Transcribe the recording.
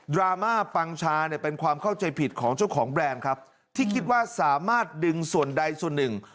รามาปังชาเนี่ยเป็นความเข้าใจผิดของเจ้าของแบรนด์ครับที่คิดว่าสามารถดึงส่วนใดส่วนหนึ่ง